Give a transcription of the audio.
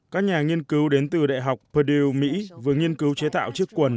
các nhà nghiên cứu đến từ đại học pedu mỹ vừa nghiên cứu chế tạo chiếc quần